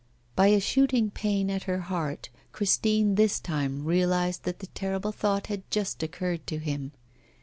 By a shooting pain at her heart, Christine this time realised that the terrible thought had just occurred to him.